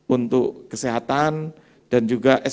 untuk kondisi penyelenggaraan yang lebih luas